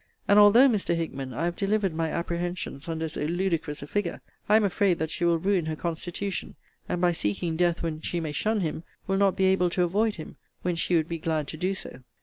And although, Mr. Hickman, I have delivered my apprehensions under so ludicrous a figure, I am afraid that she will ruin her constitution: and, by seeking Death when she may shun him, will not be able to avoid him when she would be glad to do so.